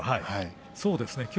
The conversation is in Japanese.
そうですね